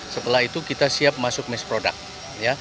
setelah itu kita siap masuk miss product